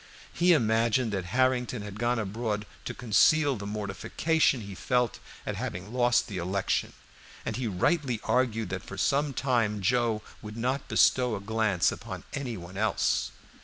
He imagined that Harrington had gone abroad to conceal the mortification he felt at having lost the election, and he rightly argued that for some time Joe would not bestow a glance upon any one else.